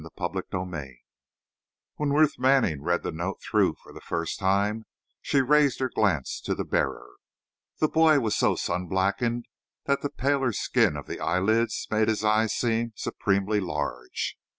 CHAPTER NINETEEN When Ruth Manning read the note through for the first time she raised her glance to the bearer. The boy was so sun blackened that the paler skin of the eyelids made his eyes seem supremely large.